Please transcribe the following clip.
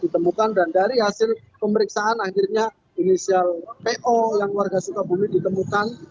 ditemukan dan dari hasil pemeriksaan akhirnya inisial po yang warga sukabumi ditemukan